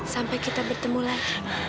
sampai kita bertemu lagi